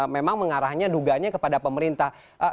memang mengarahnya duganya kepada pemerintah